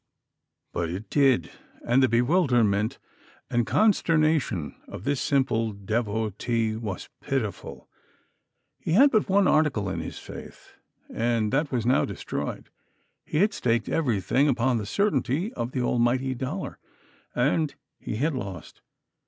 But it did, and the bewilderment and consternation of this simple devotee were pitiful. He had but one article in his faith, and that was now destroyed. He had staked everything upon the certainty of the Almighty Dollar, and he had lost.